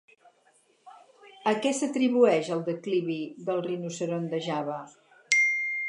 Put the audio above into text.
A què s'atribueix el declivi del rinoceront de Java?